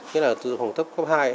như là dự phòng thấp cấp hai